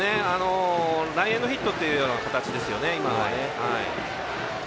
ランエンドヒットっていう感じですよね。